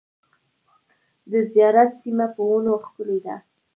د زیارت سیمه په ونو ښکلې ده .